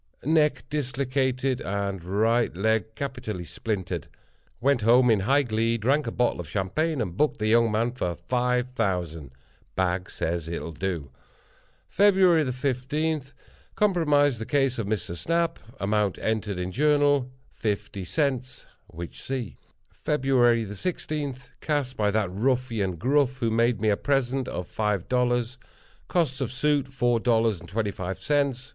Neck dislocated, and right leg capitally splintered. Went home in high glee, drank a bottle of champagne, and booked the young man for five thousand. Bag says it'll do. "Feb. 15.—Compromised the case of Mr. Snap. Amount entered in Journal—fifty cents—which see. "Feb. 16.—Cast by that ruffian, Gruff, who made me a present of five dollars. Costs of suit, four dollars and twenty five cents.